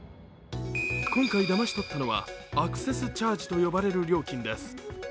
今回、だまし取ったのはアクセスチャージと呼ばれる料金です。